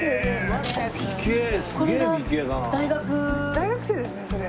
大学生ですねそれ。